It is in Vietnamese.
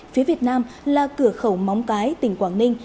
phía việt nam là cửa khẩu móng cái tỉnh quảng ninh